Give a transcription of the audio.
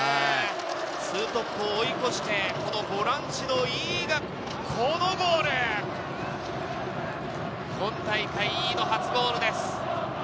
２トップを追い越して、ボランチの井伊が、このゴール、今大会、井伊の初ゴールです。